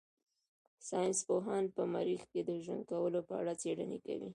ساينس پوهان په مريخ کې د ژوند کولو په اړه څېړنې کوي.